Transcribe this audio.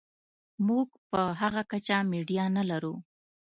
موږ په هغه کچه میډیا نلرو.